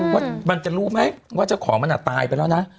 ว่ามันจะรู้ไหมว่าเจ้าของมันตายไปแล้วนะ